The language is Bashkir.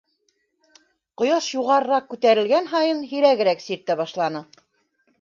Ҡояш юғарыраҡ күтәрелгән һайын, һирәгерәк сиртә башланы.